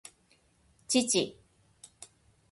父